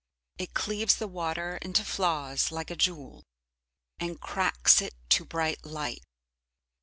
It cleaves the water into flaws like a jewel, and cracks it to bright light.